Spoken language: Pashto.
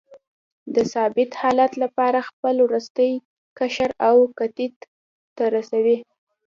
د ثابت حالت لپاره خپل وروستی قشر اوکتیت ته رسوي.